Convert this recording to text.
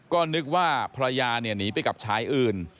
ก็นึกว่าภรรยาหนีไปกับชายอื่น